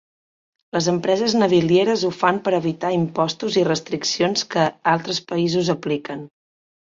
Les empreses navilieres ho fan per evitar impostos i restriccions que altres països apliquen.